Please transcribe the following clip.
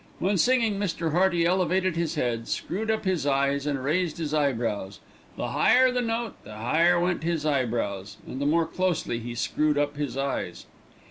When singing Mr. Hearty elevated his head, screwed up his eyes and raised his eyebrows; the higher the note the higher went his eyebrows, and the more closely he screwed up his eyes.